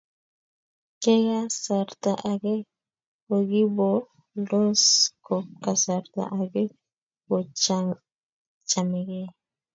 kikasarta age kokiboldos ko kasarta age kochamegei